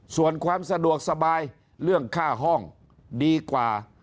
ส่วนความสะดวกสบายเรื่องค่าห้องดีกว่า